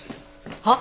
はっ？